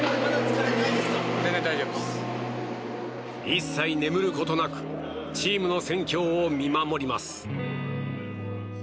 一切眠ることなくチームの戦況を見守ります。